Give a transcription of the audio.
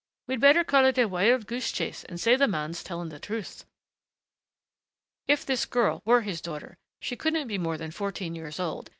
We'd better call it a wild goose chase and say the man's telling the truth." "If this girl were his daughter she couldn't be more than fourteen years old.